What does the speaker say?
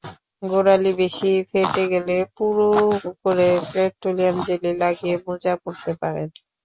গোড়ালি বেশি ফেটে গেলে পুরু করে পেট্রোলিয়াম জেলি লাগিয়ে মোজা পরতে পারেন।